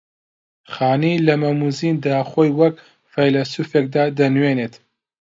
خانی لە مەم و زیندا خۆی وەک فەیلەسووفێکدا دەنووێنێت